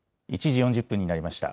１時４０分になりました。